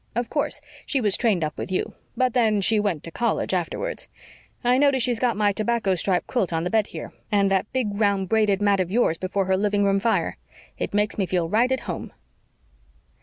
Of course, she was trained up with you but, then, she went to college afterwards. I notice she's got my tobacco stripe quilt on the bed here, and that big round braided mat of yours before her living room fire. It makes me feel right at home."